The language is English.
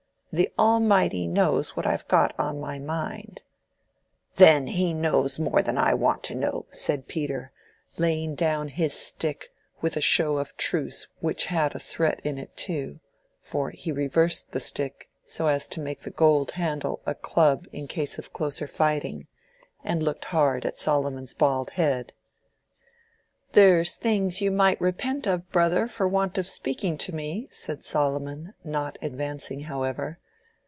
The Almighty knows what I've got on my mind—" "Then he knows more than I want to know," said Peter, laying down his stick with a show of truce which had a threat in it too, for he reversed the stick so as to make the gold handle a club in case of closer fighting, and looked hard at Solomon's bald head. "There's things you might repent of, Brother, for want of speaking to me," said Solomon, not advancing, however.